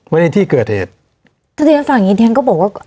ในที่เกิดเหตุถ้าที่ฉันฟังอย่างงี้ฉันก็บอกว่า